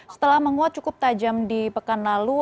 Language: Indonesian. setelah menguat cukup tajam di pekan lalu